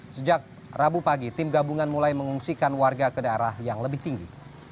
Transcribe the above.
sejak rabu pagi tim gabungan mulai mengungsikan warga ke daerah yang lebih tinggi